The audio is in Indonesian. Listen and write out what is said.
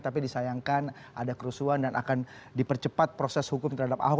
tapi disayangkan ada kerusuhan dan akan dipercepat proses hukum terhadap ahok